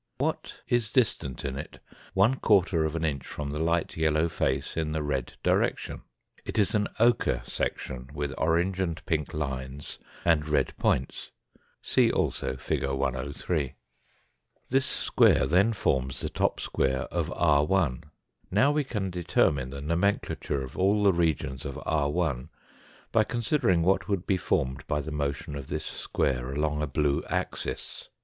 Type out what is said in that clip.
What is distant in it one quarter of an inch from the light yellow face in the red direction ? It is an ochre section with orange and pink lines and red points ; see also fig. 103. This square then forms the top square of r\. Now we can determine the nomenclature of all the regions of r\ by considering what would be formed by the motion of this square along a blue axis.